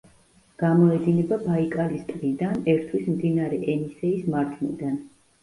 გამოედინება ბაიკალის ტბიდან, ერთვის მდინარე ენისეის მარჯვნიდან.